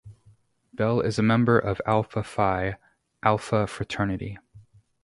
Bell is a member of Alpha Phi Alpha fraternity.